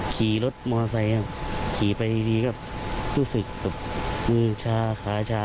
ขี่รถมอไซค์ครับขี่ไปดีก็รู้สึกแบบมือชาขาชา